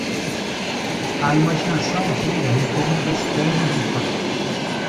A imaginação gira em torno das pernas de pau.